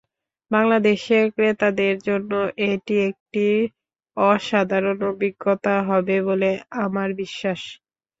বাংলাদেশের ক্রেতাদের জন্য এটি একটি অসাধারণ অভিজ্ঞতা হবে বলে আমার বিশ্বাস।